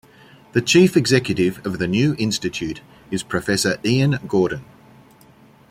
The chief executive of the new institute is Professor Iain Gordon.